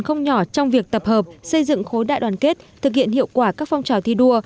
không nhỏ trong việc tập hợp xây dựng khối đại đoàn kết thực hiện hiệu quả các phong trào thi đua